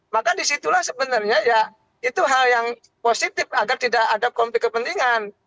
maka disitulah sebenarnya ya itu hal yang positif agar tidak ada konflik kepentingan